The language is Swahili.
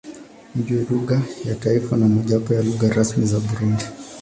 Ndiyo lugha ya taifa na mojawapo ya lugha rasmi za Burundi.